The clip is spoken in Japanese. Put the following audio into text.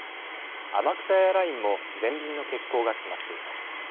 天草エアラインも全便の欠航が決まっています。